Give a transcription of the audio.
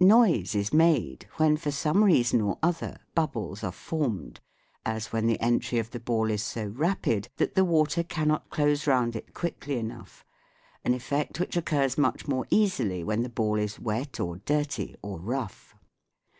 Noise is made when for some reason or other bubbles are formed, as when the entry of the ball is so rapid that the SOUNDS OF THE SEA 133 water cannot close round it quickly enough an effect which occurs much more easily when the ball is wet or dirty or rough.